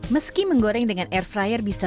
meski menggoreng dengan air fryer bisa